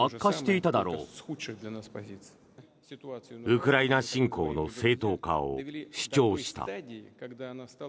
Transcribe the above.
ウクライナ侵攻の正当化を主張した。